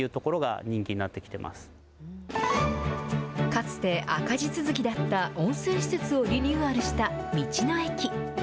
かつて赤字続きだった温泉施設をリニューアルした道の駅。